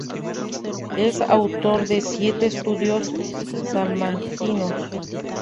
Es autor de "Siete estudios salmantinos".